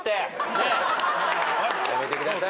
やめてください。